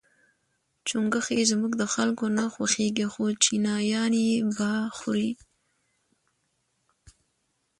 چونګښي زموږ د خلکو نه خوښیږي خو چینایان یې با خوري.